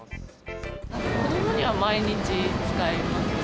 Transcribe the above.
子どもには毎日使いますね。